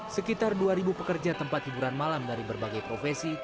sekitar dua pekerja tempat hiburan malam dari berbagai profesi